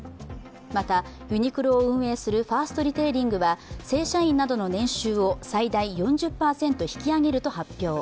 また、ユニクロを運営するファーストリテイリングは正社員などの年収を最大４０％引き上げると発表。